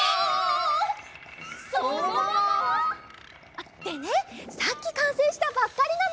あっでねさっきかんせいしたばっかりなの！